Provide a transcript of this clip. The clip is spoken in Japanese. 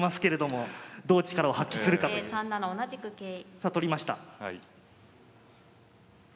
さあ取りました。